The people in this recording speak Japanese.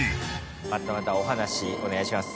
またまたお話お願いします。